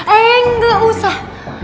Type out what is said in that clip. eh enggak usah